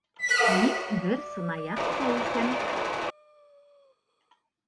Мин бер сынаяҡ сәй әсәм